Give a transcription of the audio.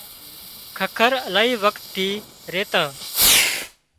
ککر الاهي وکت ٿي ريتان